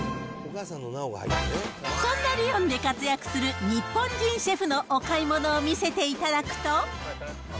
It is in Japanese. そんなリヨンで活躍する日本人シェフのお買い物を見せていただくと。